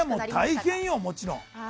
大変よ、もちろん。